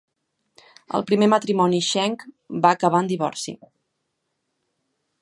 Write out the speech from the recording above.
El primer matrimoni d'Schenck va acabar en divorci.